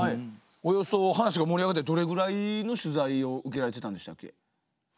およそ話が盛り上がってどれぐらいに取材を受けられてたんでしたっけ？